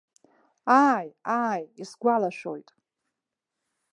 Ааи, ааи, исгәалашәоит.